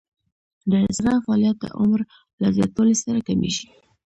د زړه فعالیت د عمر له زیاتوالي سره کمیږي.